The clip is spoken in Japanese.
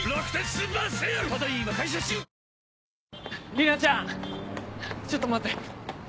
莉奈ちゃん！ちょっと待って。